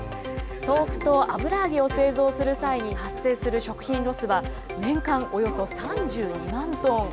豆腐と油揚げを製造する際に発生する食品ロスは、年間およそ３２万トン。